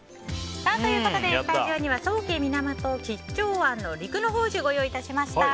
スタジオには宗家源吉兆庵の陸乃宝珠をご用意いたしました。